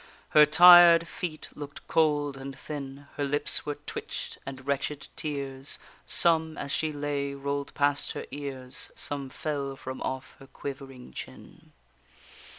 Her tired feet look'd cold and thin, Her lips were twitch'd, and wretched tears, Some, as she lay, roll'd past her ears, Some fell from off her quivering chin.